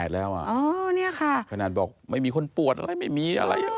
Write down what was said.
๘๘แล้วอ่ะอ๋อเนี่ยค่ะขนาดบอกไม่มีคนปวดอะไรไม่มีอะไร